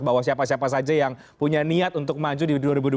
bahwa siapa siapa saja yang punya niat untuk maju di dua ribu dua puluh